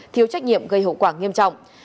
thiếu trách nhiệm gây hậu quả nghiêm trọng